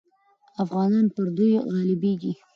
افغانان پر دوی غالبېږي.